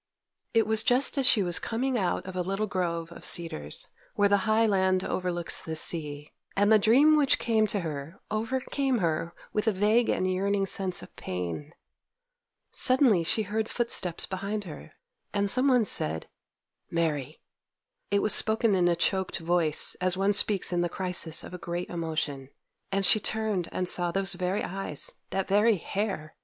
It was just as she was coming out of a little grove of cedars, where the high land overlooks the sea, and the dream which came to her overcame her with a vague and yearning sense of pain. Suddenly she heard footsteps behind her, and some one said 'Mary!' It was spoken in a choked voice, as one speaks in the crisis of a great emotion, and she turned and saw those very eyes!—that very hair!